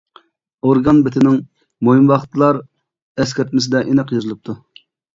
ئورگان بېتىنىڭ «مۇھىم ۋاقىتلار» ئەسكەرتمىسىدە ئېنىق يېزىلىپتۇ.